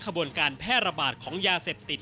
ขบวนการแพร่ระบาดของยาเสพติด